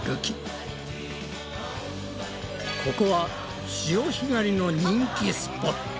ここは潮干狩りの人気スポット！